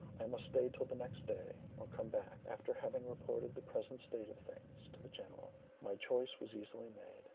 I must stay till the next day; or come back, after having reported the present state of things to the general. My choice was easily made.